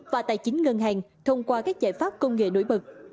và tài chính ngân hàng thông qua các giải pháp công nghệ nổi bật